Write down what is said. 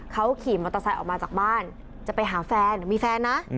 เขาขี่มอเตอร์ไซค์ออกมาจากบ้านจะไปหาแฟนมีแฟนนะ